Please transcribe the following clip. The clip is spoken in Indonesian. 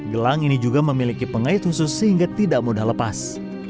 gelang ini juga memiliki pengait khusus sehingga tidak mudah lepas